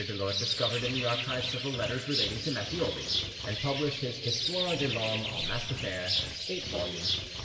Delort discovered in the archives several letters relating to Matthioli, and published his Histoire de l'Homme au Masque de Fer (8vo).